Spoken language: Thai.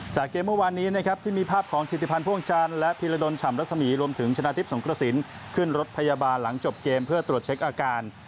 เกมเมื่อวานนี้นะครับที่มีภาพของธิติพันธ์พ่วงจันทร์และพิรดลฉ่ำรัศมีรวมถึงชนะทิพย์สงกระสินขึ้นรถพยาบาลหลังจบเกมเพื่อตรวจเช็คอาการ